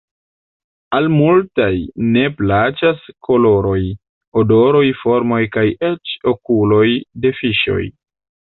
Al multaj ne plaĉas koloroj, odoroj, formoj kaj eĉ okuloj de fiŝoj.